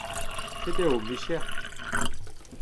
Petra eo ho micher ?